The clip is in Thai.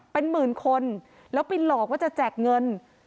เป็นหมื่นคนแล้วไปหลอกว่าจะแจกเงิน